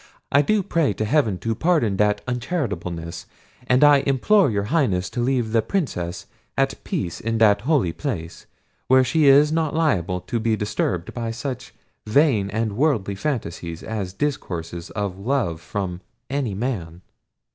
I do pray to heaven to pardon that uncharitableness: and I implore your Highness to leave the Princess at peace in that holy place, where she is not liable to be disturbed by such vain and worldly fantasies as discourses of love from any man."